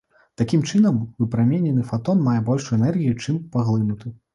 Такім чынам, выпраменены фатон мае большую энергію, чым паглынуты.